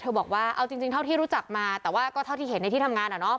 บอกว่าเอาจริงเท่าที่รู้จักมาแต่ว่าก็เท่าที่เห็นในที่ทำงานอะเนาะ